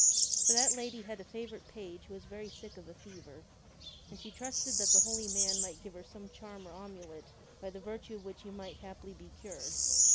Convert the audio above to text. For that lady had a favorite page who was very sick of a fever, and she trusted Guinevere con that the holy man might give her some charm or amulet by e ^ e y i rtue f which he might haply be cured.